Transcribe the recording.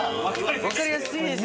分かりやすすぎですよ。